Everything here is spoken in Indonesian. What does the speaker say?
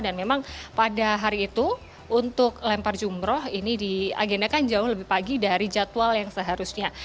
memang pada hari itu untuk lempar jumroh ini diagendakan jauh lebih pagi dari jadwal yang seharusnya